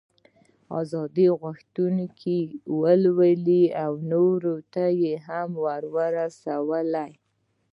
د ازادۍ غوښتنې ولولې یې نورو ته هم ور ورسولې.